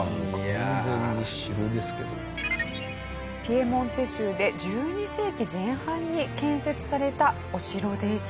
ピエモンテ州で１２世紀前半に建設されたお城です。